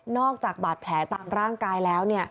จากบาดแผลตามร่างกายแล้ว